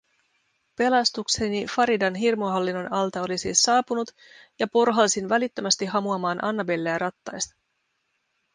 Pelastukseni Faridan hirmuhallinnon alta oli siis saapunut ja porhalsin välittömästi hamuamaan Annabelleä rattaista.